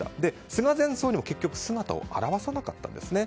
菅前総理も結局姿を現さなかったんですね。